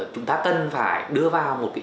chúng ta cần phải đưa vào